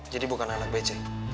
jadi bukan anak bc